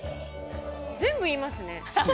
全部、言いますね。